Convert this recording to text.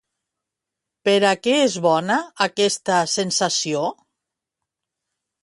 Per a què és bona, aquesta sensació?